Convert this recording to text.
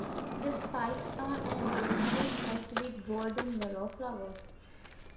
The spikes are and loosely packed with golden yellow flowers.